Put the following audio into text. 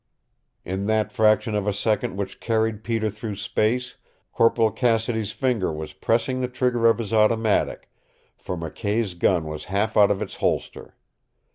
In that fraction of a second which carried Peter through space, Corporal Cassidy's finger was pressing the trigger of his automatic, for McKay's gun was half out of its holster.